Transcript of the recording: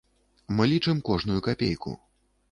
Мы лічым кожную капейку.